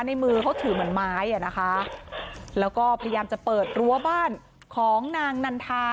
ในมือเขาถือเหมือนไม้อ่ะนะคะแล้วก็พยายามจะเปิดรั้วบ้านของนางนันทา